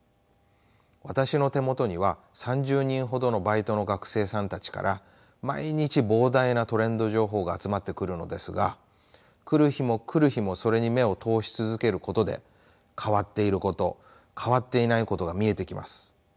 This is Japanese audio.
私の手元には３０人ほどのバイトの学生さんたちから毎日膨大なトレンド情報が集まってくるのですが来る日も来る日もそれに目を通し続けることで変わっていること変わっていないことが見えてきます。